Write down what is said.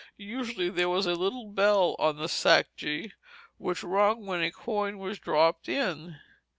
Usually there was a little bell on the sacje which rung when a coin was dropped in.